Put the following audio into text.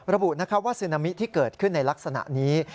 ระบุว่าซึนามิที่เกิดขึ้นในลักษณะนี้